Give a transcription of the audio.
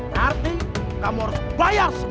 harganya sepuluh juta tarling